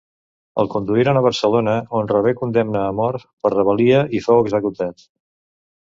El conduïren a Barcelona, on rebé condemna a mort per rebel·lia i fou executat.